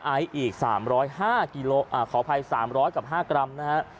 ไอซ์อีก๓๐๕กิโลขออภัย๓๐๐กับ๕กรัมนะฮะ